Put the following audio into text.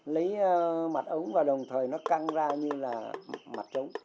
lấy mặt ống và đồng thời nó căng ra như là mặt ống